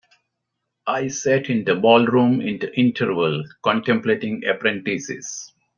I sat in the ball-room in the interval, contemplating the apprentices.